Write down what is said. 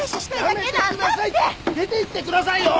出ていってくださいよ！